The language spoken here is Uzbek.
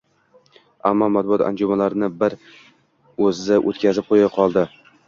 Ammo matbuot anjumanini bir o‘zi o‘tkazib qo‘ya qoldi.